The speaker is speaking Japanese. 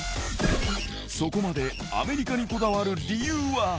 そこまでアメリカにこだわる理由は。